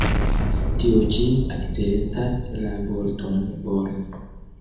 Tio ĉi akcentas la vorton "born".